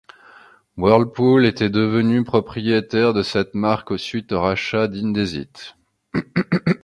Whirlpool était devenue propriétaire de cette marque suite au rachat d'Indesit.